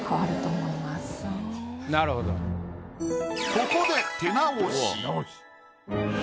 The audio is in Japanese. ここで。